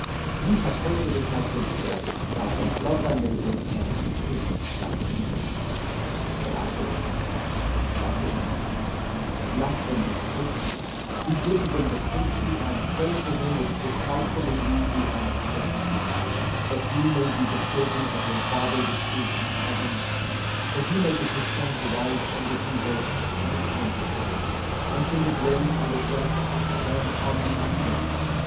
_Ye have heard that it hath been said, Thou shalt love thy neighbour, and hate thine enemy; but I say unto you, Love your enemies, bless them that curse you, do good to them that hate you, and pray for them which despitefully use you, and persecute you; that ye may be the children of your Father which is in heaven; for he maketh his sun to rise on the evil and on the good, and sendeth rain on the just and on the unjust.